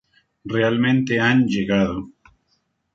Realmente han llegado".